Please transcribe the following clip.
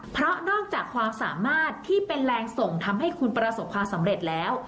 เพราะนอกจากความสามารถที่เป็นแรงส่งทำให้คุณประสบความสำเร็จแล้ว